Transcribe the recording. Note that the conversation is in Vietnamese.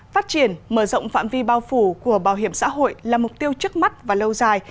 phát triển mở rộng phạm vi bao phủ của bảo hiểm xã hội là mục tiêu trước mắt và lâu dài